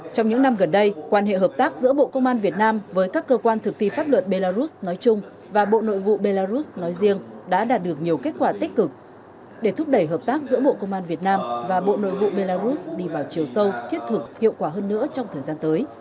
trong những năm gần đây quan hệ hợp tác giữa bộ công an việt nam với các cơ quan thực thi pháp luật belarus nói chung và bộ nội vụ belarus nói riêng đã đạt được nhiều kết quả tích cực để thúc đẩy hợp tác giữa bộ công an việt nam và bộ nội vụ belarus đi vào chiều sâu thiết thực hiệu quả hơn nữa trong thời gian tới